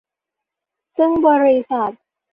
ซึ่งบริษัท